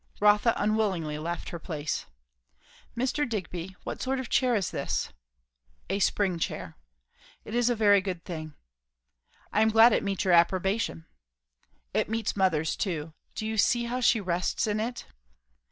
Rotha unwillingly left her place. "Mr. Digby, what sort of a chair is this?" "A spring chair." "It is a very good thing." "I am glad it meets your approbation." "It meets mother's too. Do you see how she rests in it?"